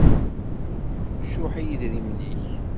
Cuḥ i yidrimen-ik.